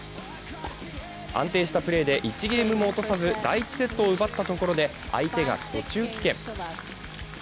安定したプレーで１ゲームも落とさず第１セットを奪ったところで相手が途中棄権。